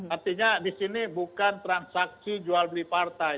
artinya di sini bukan transaksi jual beli partai